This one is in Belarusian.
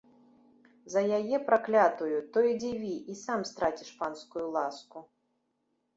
За яе, праклятую, то й дзіві, і сам страціш панскую ласку.